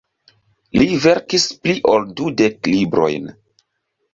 Li verkis pli ol dudek librojn.